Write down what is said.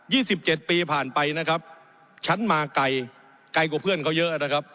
สิบเจ็ดปีผ่านไปนะครับฉันมาไกลไกลกว่าเพื่อนเขาเยอะนะครับ